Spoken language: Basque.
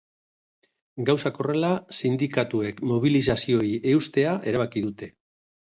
Gauzak horrela, sindikatuek mobilizazioei eustea erabaki dute.